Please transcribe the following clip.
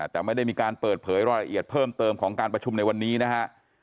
แต่ไม่ได้มีการเปิดเผยรายละเอียดเพิ่มเติมของการประชุมในวันนี้นะฮะ